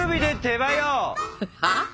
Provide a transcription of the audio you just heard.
はあ？